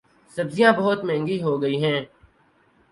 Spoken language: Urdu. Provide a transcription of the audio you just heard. سبزیاں بہت مہنگی ہوگئی ہیں